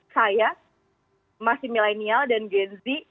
saya masih milenial dan genzi